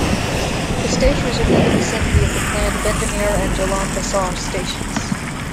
This station is within the vicinity of the planned Bendemeer and Jalan Besar stations.